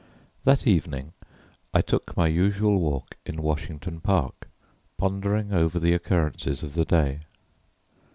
That evening I took my usual walk in Washington Park, pondering over the occurrences of the day.